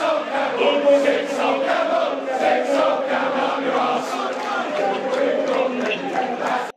এরই পরিপ্রেক্ষিতে বিটিআরসি গুলশান-বারিধারা এলাকায় দূতাবাসগুলোর মুঠোফোন নেটওয়ার্ক দ্রুত সচল করতে নির্দেশনা পাঠায়।